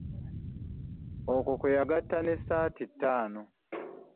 Okwo kwe yagatta n'essaati ttaano.